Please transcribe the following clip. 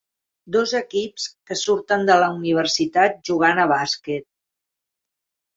Dos equips que surten de la universitat jugant a bàsquet.